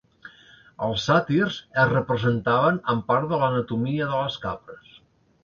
Els sàtirs es representaven amb part de l'anatomia de les cabres.